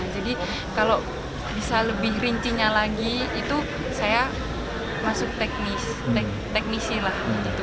jadi kalau bisa lebih rincinya lagi itu saya masuk teknisi lah